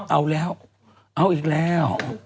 เอาแล้วเอาอีกครับ